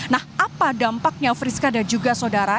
nah apa dampaknya friska dan juga saudara